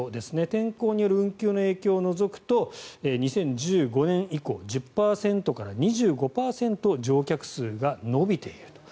天候による運休の影響を除くと２０１５年以降１０％から２５％乗客数が伸びていると。